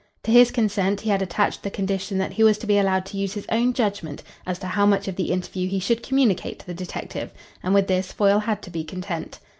To his consent he had attached the condition that he was to be allowed to use his own judgment as to how much of the interview he should communicate to the detective, and with this Foyle had to be content.